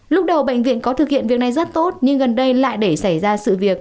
lúc đầu bệnh viện có thực hiện việc này rất tốt nhưng gần đây lại để xảy ra sự việc